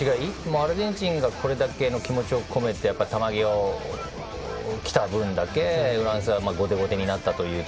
アルゼンチンがこれだけ気持ちを込めて球際をきた分だけフランスが後手後手になったと。